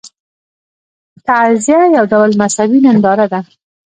تعزیه یو ډول مذهبي ننداره ده.